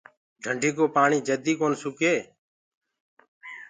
ڌنڊينٚ ڪو پآڻي جدي ڪونآ سُکي۔